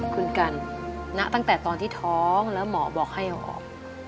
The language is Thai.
คุณกันณตั้งแต่ตอนที่ท้องแล้วหมอบอกให้เอาออก